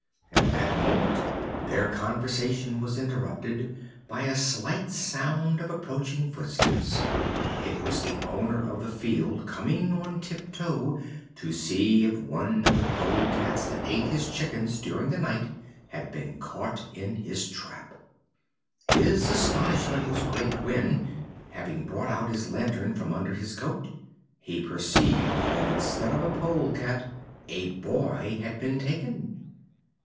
At this moment their conversation was interrupted by a slight sound of approaching footsteps. It was the owner of the field coming on tiptoe to see if one of the polecats that ate his chickens during the night had been caught in his trap. His astonishment was great when, having brought out his lantern from under his coat, he perceived that instead of a polecat a boy had been taken.